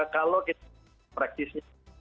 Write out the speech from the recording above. kalau kita praktisnya